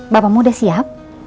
bapamu udah siap